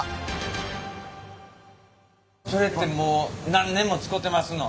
それってもう何年も使てますの？